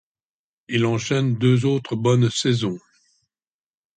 Il enchaîne deux autres bonnes saisons.